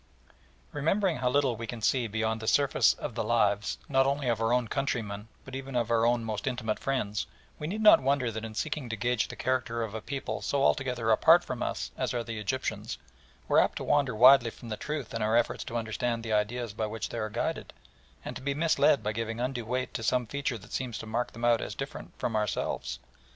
Remembering how little we can see beyond the surface of the lives, not only of our own countrymen but even of our own most intimate friends, we need not wonder that in seeking to gauge the character of a people so altogether apart from us as are the Egyptians we are apt to wander widely from the truth in our efforts to understand the ideas by which they are guided, and to be misled by giving undue weight to some feature that seems to mark them out as different from ourselves.